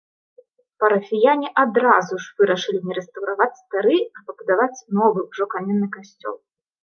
Парафіяне адразу ж вырашалі не рэстаўраваць стары, а пабудаваць новы, ужо каменны касцёл.